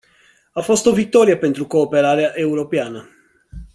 A fost o victorie pentru cooperarea europeană.